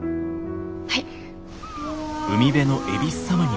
はい。